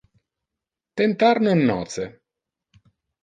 Tentar non noce.